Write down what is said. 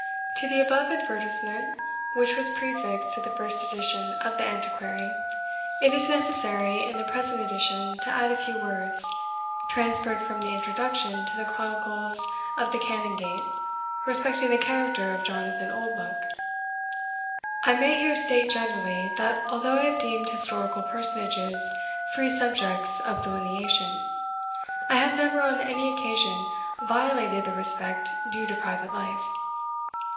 To the above advertisement, which was prefixed to the first edition of the Antiquary, it is necessary in the present edition to add a few words, transferred from the Introduction to the Chronicles of the Canongate, respecting the character of Jonathan Oldbuck. "I may here state generally, that although I have deemed historical personages free subjects of delineation, I have never on any occasion violated the respect due to private life.